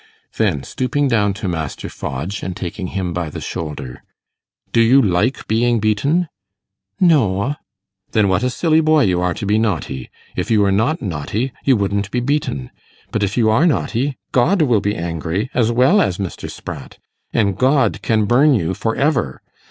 Then stooping down to Master Fodge, and taking him by the shoulder, 'Do you like being beaten?' 'No a.' 'Then what a silly boy you are to be naughty. If you were not naughty, you wouldn't be beaten. But if you are naughty, God will be angry, as well as Mr. Spratt; and God can burn you for ever.